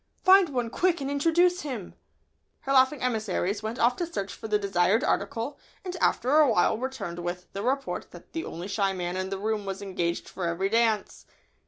"Find one, quick, and introduce him." Her laughing emissaries went off to search for the desired article, and after a while returned with the report that the only shy man in the room was engaged for every dance!